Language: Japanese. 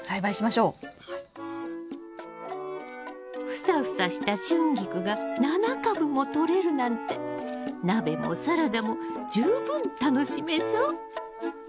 フサフサしたシュンギクが７株もとれるなんて鍋もサラダも十分楽しめそう！